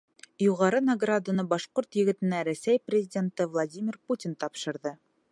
Юғары награданы башҡорт егетенә Рәсәй Президенты Владимир Путин тапшырҙы.